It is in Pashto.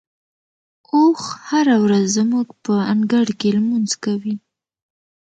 اوښ هره ورځ زموږ په انګړ کې لمونځ کوي.